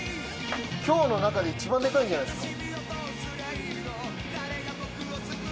今日の中でいちばんデカいんじゃないですか？